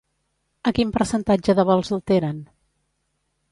A quin percentatge de vols alteren?